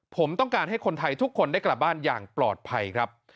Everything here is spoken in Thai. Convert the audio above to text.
ผมต้องการให้คนไทยทุกคนได้กลับบ้านอย่างปลอดภัยครับ